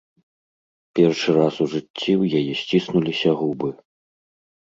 Першы раз у жыцці ў яе сціснуліся губы.